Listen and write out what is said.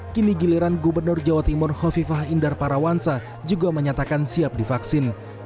kini giliran gubernur jawa timur hovifah indar parawansa juga menyatakan siap divaksin